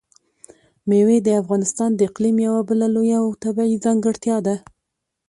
مېوې د افغانستان د اقلیم یوه بله لویه او طبیعي ځانګړتیا ده.